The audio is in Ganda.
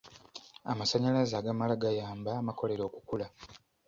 Amasannyalaze agamala gayamba amakolero okukula.